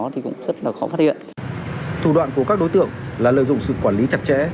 tự nhiên là lợi dụng sự quản lý chặt chẽ